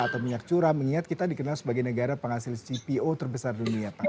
atau minyak curah mengingat kita dikenal sebagai negara penghasil cpo terbesar dunia pak